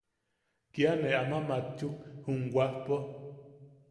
Kia ne ama matchuk jum wajpo.